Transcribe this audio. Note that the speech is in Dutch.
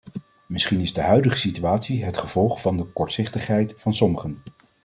Misschien is de huidige situatie het gevolg van de kortzichtigheid van sommigen.